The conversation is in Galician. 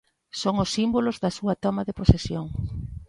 Son os símbolos da súa toma de posesión.